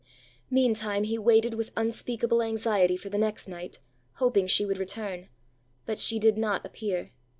Meantime he waited with unspeakable anxiety for the next night, hoping she would return: but she did not appear.